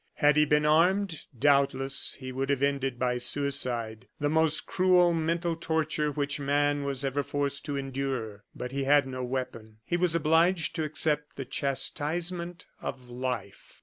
Had he been armed, doubtless, he would have ended by suicide, the most cruel mental torture which man was ever forced to endure but he had no weapon. He was obliged to accept the chastisement of life.